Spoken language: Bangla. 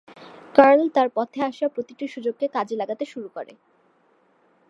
কার্ল তার পথে আসা প্রতিটি সুযোগকে কাজে লাগাতে শুরু করে।